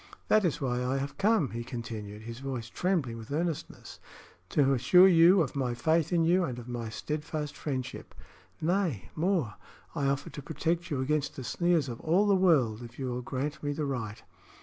"That is why I have come," he continued, his voice trembling with earnestness, "to assure you of my faith in you and of my steadfast friendship. Nay, more; I offer to protect you against the sneers of all the world, if you will grant me the right."